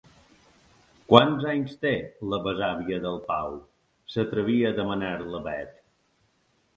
Quants anys té, la besàvia del Pau? —s'atreví a demanar la Bet.